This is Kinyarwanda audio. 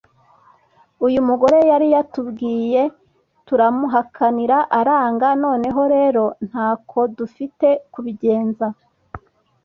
Uyu mugore yari yatubwiye, turamuhakanira aranga Noneho rero nta ko dufite kubigenza